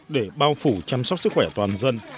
để bao phủ chăm sóc sức khỏe toàn dân